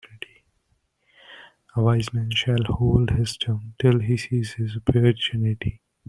A wise man shall hold his tongue till he sees his opportunity.